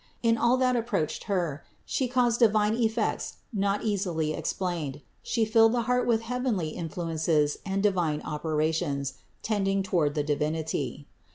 In all that approached Her, She caused divine effects not easily explained; She filled the heart with heavenly influences and divine operations, tending toward the Divinity.